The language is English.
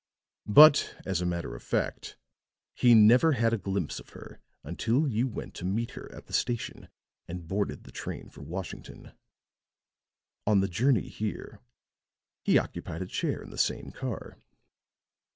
But, as a matter of fact, he never had a glimpse of her until you went to meet her at the station and boarded the train for Washington. On the journey here, he occupied a chair in the same car."